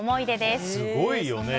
すごいよね。